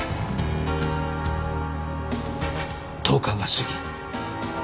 １０日が過ぎ